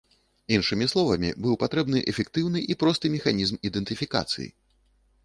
Іншымі словамі, быў патрэбны эфектыўны і просты механізм ідэнтыфікацыі.